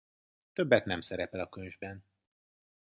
Többet nem szerepel a könyvben.